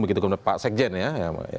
begitu kemudian pak sekjen ya